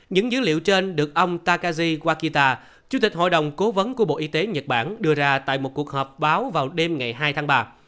những dữ liệu trên được ông takaji guakita chủ tịch hội đồng cố vấn của bộ y tế nhật bản đưa ra tại một cuộc họp báo vào đêm ngày hai tháng ba